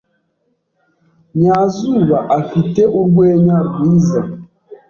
Nyazuba afite urwenya rwiza.